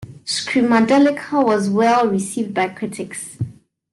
"Screamadelica" was well received by critics.